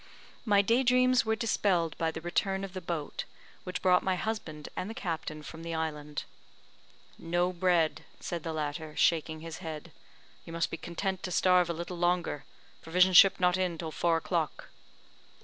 My daydreams were dispelled by the return of the boat, which brought my husband and the captain from the island. "No bread," said the latter, shaking his head; "you must be content to starve a little longer. Provision ship not in till four o'clock."